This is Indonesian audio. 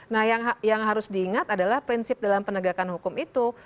nah yang harus diingat adalah prinsip dalam penegakan hukum itu